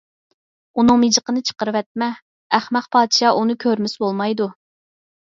ئۇنىڭ مىجىقىنى چىقىرىۋەتمە، ئەخمەق پادىشاھ ئۇنى كۆرمىسە بولمايدۇ.